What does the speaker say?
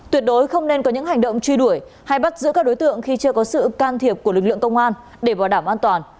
tuyệt đối không nên có những hành động truy đuổi hay bắt giữ các đối tượng khi chưa có sự can thiệp của lực lượng công an để bảo đảm an toàn